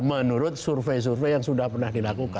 menurut survei survei yang sudah pernah dilakukan